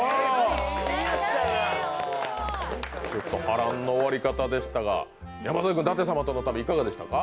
波乱の終わり方でしたが山添君、舘様との旅、いかがでしたか？